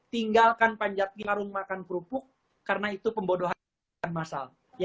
tinggalkan panjat pinang karung makan kerupuk karena itu pembodohan masal